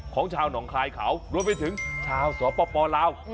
ของชาวหนองคายเขารวมไปถึงชาวสปลาว